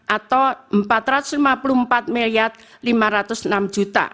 atau rp empat ratus lima puluh empat lima ratus enam